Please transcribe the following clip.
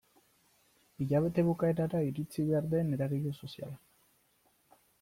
Hilabete bukaerara iritsi behar den eragile soziala.